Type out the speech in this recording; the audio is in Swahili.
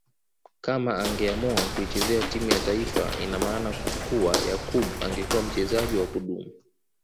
Kama angeamua kuichezea timu ya taifa ina maana kuwa Yakub angekuwa mchezaji wa kudumu